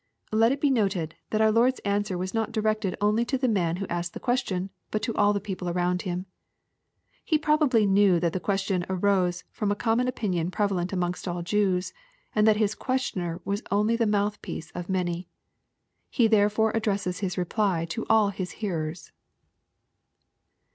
] Let it be noted, that our Lord's answer was not directed only to the man who asked the question, but to all the people around Him. He probably knew that the question arose from a common opinion prevalent amongst all Jews, and that His questioner was only the mouth piece of many. He therefore addresses His reply to all His hearers.